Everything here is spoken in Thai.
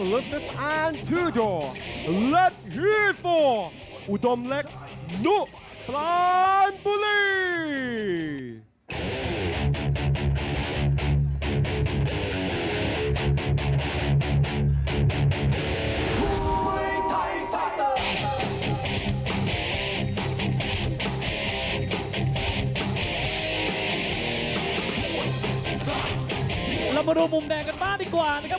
เรามาดูมุมแดงกันบ้างดีกว่านะครับ